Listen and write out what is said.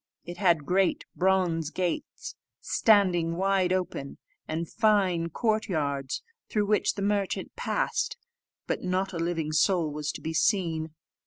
It had great bronze gates, standing wide open, and fine court yards, through which the merchant passed; but not a living soul was to be seen.